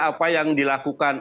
apa yang dilakukan